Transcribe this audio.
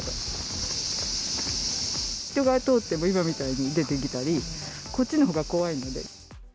人が通っても、今みたいに出てきたり、こっちのほうが怖いんで。